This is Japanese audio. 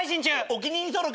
お気に入り登録。